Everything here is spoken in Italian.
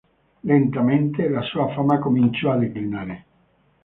Lentamente, la sua fama cominciò a declinare.